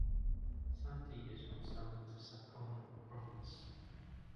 Santi is from Samut Sakhon Province.